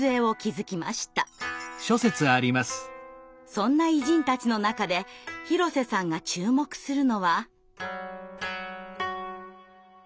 そんな偉人たちの中で広瀬さんが注目するのは。